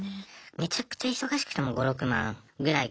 めちゃくちゃ忙しくても５６万ぐらいかなっていう。